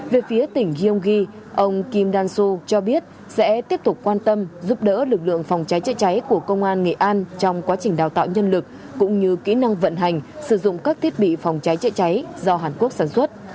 về phía tỉnh gyeonggi ông kim đan su cho biết sẽ tiếp tục quan tâm giúp đỡ lực lượng phòng cháy chữa cháy của công an nghệ an trong quá trình đào tạo nhân lực cũng như kỹ năng vận hành sử dụng các thiết bị phòng cháy chữa cháy do hàn quốc sản xuất